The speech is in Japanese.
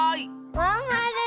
まんまる。